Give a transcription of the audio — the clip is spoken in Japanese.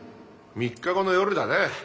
３日後の夜だな。